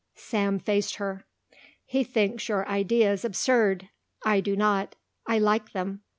Sam faced her. "He thinks your ideas absurd. I do not. I like them.